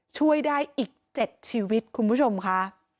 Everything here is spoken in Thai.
ช่วยได้อีก๗ชีวิตคุณผู้ชมค่ะ